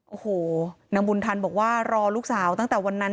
โอ้โหนางบุญทันบอกว่ารอลูกสาวตั้งแต่วันนั้น